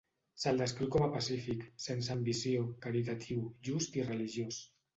Se'l descriu com a pacífic, sense ambició, caritatiu, just i religiós.